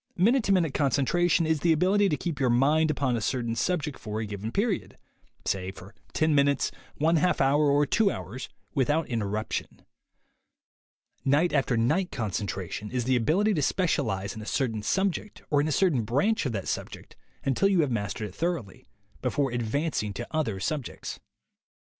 Minute to minute concentration is the ability to keep your mind upon a certain subject for a given period, say for ten minutes, one half hour THE WAY TO WILL POWER 111 or two hours, without interruption. Night after night concentration is the ability to specialize in a certain subject or in a certain branch of that sub ject until you have mastered it thoroughly, before advancing to other subjects.